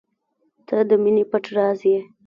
• ته د مینې پټ راز یې.